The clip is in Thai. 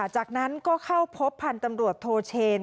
จากนั้นก็เข้าพบพันธุ์ตำรวจโทเชน